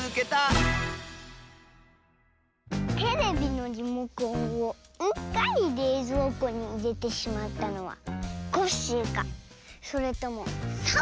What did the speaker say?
テレビのリモコンをうっかりれいぞうこにいれてしまったのはコッシーかそれともサボさんか。